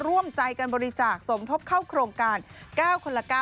ร่วมใจกันบริจาคสมทบเข้าโครงการ๙คนละ๙